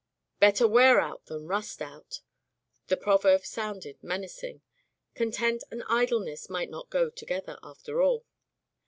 " Better wear out than rust out/' — the proverb sounded menacing. Content and idleness might not go together, after all.